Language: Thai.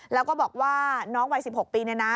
แล้วก็บอกว่าน้องวัย๑๖ปีเนี่ยนะ